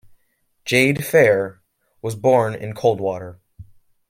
Jad Fair was born in Coldwater.